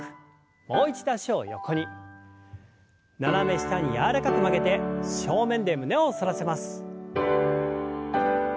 斜め下に柔らかく曲げて正面で胸を反らせます。